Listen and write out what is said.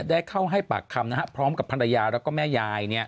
ได้เข้าให้ปากคำพร้อมกับภรรยาแล้วก็แม่ยาย